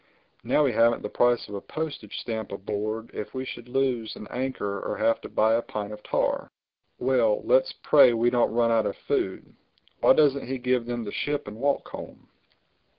Now we haven't the price of a postage stamp aboard if we should lose an anchor or have to buy a pint of tar—Well, let's pray we don't run out of food—Why doesn't he give them the ship and walk home?"